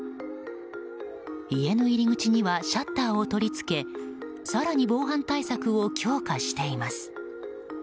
家の入り口にはシャッターを取り付け更に防犯対策を強化しています。